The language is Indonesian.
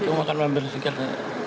umum akan memberikan